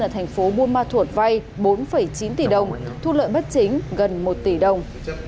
ở thành phố buôn ma thuột vay bốn chín tỷ đồng thu lợi bất chính gần một tỷ đồng